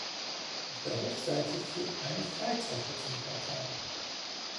Auf der Hofseite führt eine Freitreppe zum Portal.